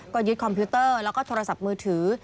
ก็ยึดคอมพิวเตอร์แล้วก็โทรศัพท์มือถือ